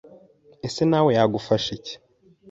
Ese nawe yagufasha iki